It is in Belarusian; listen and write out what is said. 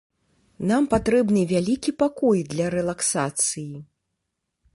Нам патрэбны вялікі пакой для рэлаксацыі!